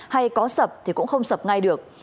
hay có sập thì cũng không sập ngay được